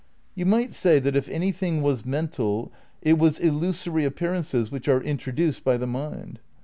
You might say that if anything was mental it was illusory appearances which are "introduced by the mind."